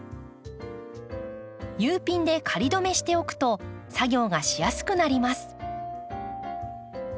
Ｕピンで仮止めしておくと作業がしやすくなります。